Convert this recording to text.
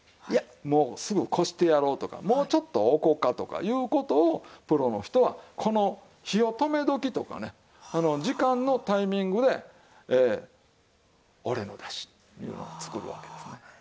いやもうすぐこしてやろうとかもうちょっとおこうかとかいう事をプロの人はこの火の止め時とかね時間のタイミングで「オレのだし」いうのを作るわけですね。